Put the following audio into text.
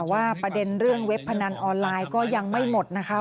ว่าประเด็นเรื่องเว็บพนันออนไลน์ก็ยังไม่หมดนะคะ